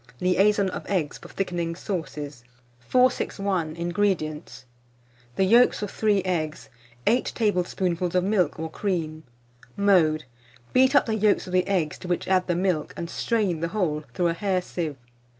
LIAISON OF EGGS FOR THICKENING SAUCES. 461. INGREDIENTS. The yolks of 3 eggs, 8 tablespoonfuls of milk or cream. Mode. Beat up the yolks of the eggs, to which add the milk, and strain the whole through a hair sieve.